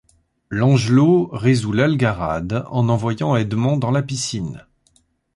Langelot résout l'algarade en envoyant Edmond dans la piscine.